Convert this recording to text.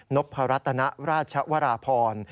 นกพระรัตนราชวรพร